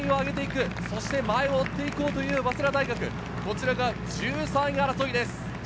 前を追って行こうという早稲田大学、１３位争いです。